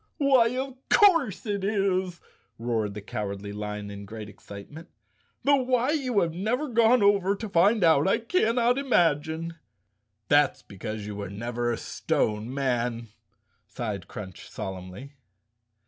"Why, of course it is," roared the Cowardly Lion in great excitement, "though why you have never gone over to find out I cannot imagine!" "That's because you were never a stone man," sighed Crunch solemnly.